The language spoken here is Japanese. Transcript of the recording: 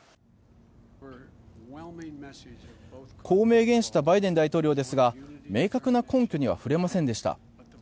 こう明言したバイデン大統領ですが明確な根拠には触れませんでした。